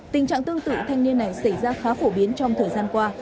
tình trạng tương tự thanh niên này xảy ra khá phổ biến trong thời gian qua